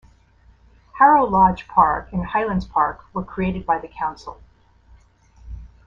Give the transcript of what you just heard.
Harrow Lodge Park and Hylands Park were created by the council.